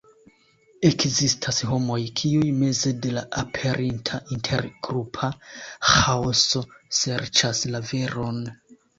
Ekzistas homoj, kiuj meze de la aperinta intergrupa ĥaoso serĉas la veron.